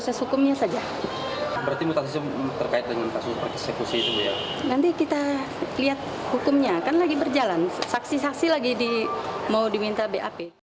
sebelumnya para jurnalis tidak diperbolehkan meliput proses pergantian pimpinan polres tersebut